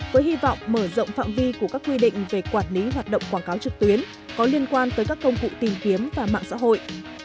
với hy vọng mở rộng phạm vi của các quy định về quản lý hoạt động quảng cáo trực tuyến có liên quan tới các công cụ tìm kiếm và mạng xã hội